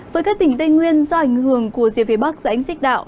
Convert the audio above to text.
với các tỉnh tây nguyên do ảnh hưởng của rìa phía bắc dãy xích đạo